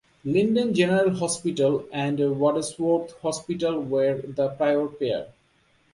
Linden General Hospital and Wadsworth Hospital were the prior pair.